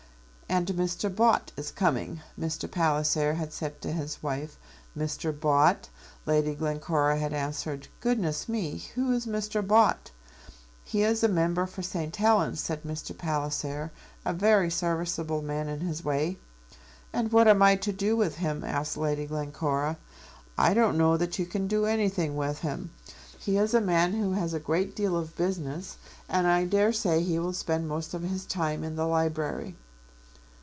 "And Mr. Bott is coming," Mr. Palliser had said to his wife. "Mr. Bott!" Lady Glencora had answered. "Goodness me! who is Mr. Bott?" "He is member for St. Helens," said Mr. Palliser. "A very serviceable man in his way." "And what am I to do with him?" asked Lady Glencora. "I don't know that you can do anything with him. He is a man who has a great deal of business, and I dare say he will spend most of his time in the library."